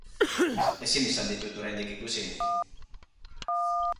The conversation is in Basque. Ezin izan ditut oraindik ikusi.